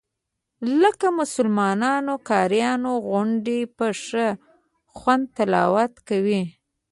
لکه مسلمانانو قاریانو غوندې په ښه خوند تلاوت کوي.